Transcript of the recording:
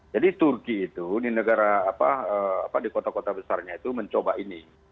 jadi turki itu di negara apa di kota kota besarnya itu mencoba ini